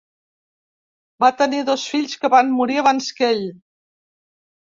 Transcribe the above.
Va tenir dos fills que van morir abans que ell.